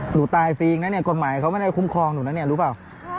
หนูตายฟรีนะเนี่ยกฎหมายเขาไม่ได้คุ้มครองหนูนะเนี่ยรู้เปล่า